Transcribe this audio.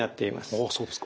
ああそうですか。